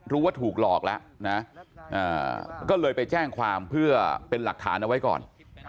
รู้ว่าถูกหลอกแล้วนะก็เลยไปแจ้งความเพื่อเป็นหลักฐานเอาไว้ก่อน